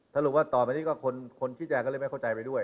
สรุปว่าต่อไปนี้ก็คนชี้แจงก็เลยไม่เข้าใจไปด้วย